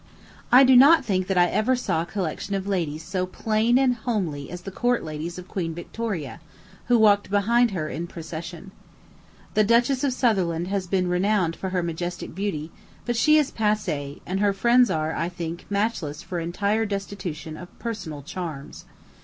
I do not think that I ever saw a collection of ladies so plain and homely as the court ladies of Queen Victoria, who walked behind her in procession. The Duchess of Sutherland has been renowned for her majestic beauty; but she is passe, and her friends are, I think, matchless for entire destitution of personal charms.